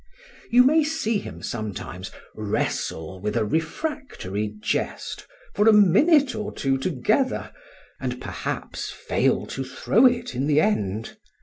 You may see him sometimes wrestle with a refractory jest for a minute or two together, and perhaps fail to throw it in the end.